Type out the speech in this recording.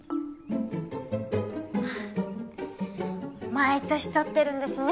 毎年撮ってるんですね